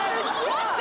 待って！